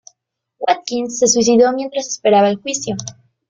Watkins se suicidó mientras esperaba el juicio.